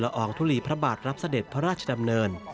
อองทุลีพระบาทรับเสด็จพระราชดำเนิน